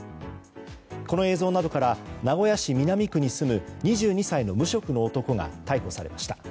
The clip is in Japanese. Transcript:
この映像などから名古屋市南区に住む２２歳の無職の男が逮捕されました。